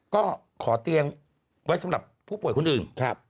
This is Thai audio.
ก็ขอเตียงไว้สำหรับผู้ป่วยคนอื่น